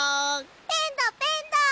ペンだペンだ！